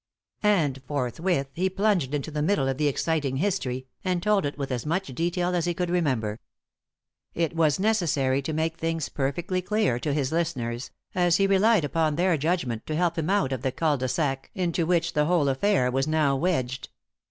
And forthwith he plunged into the middle of the exciting history, and told it with as much detail as he could remember. It was necessary to make things perfectly clear to his listeners, as he relied upon their judgment to help him out of the cul de sac into which the whole affair was now wedged.